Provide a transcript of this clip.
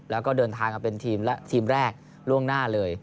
แล้วก็เดินทางมาเป็นทีมแรกล่วงหน้าเลย